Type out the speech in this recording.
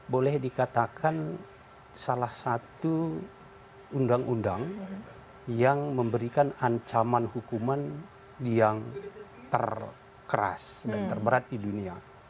boleh dikatakan salah satu undang undang yang memberikan ancaman hukuman yang terkeras dan terberat di dunia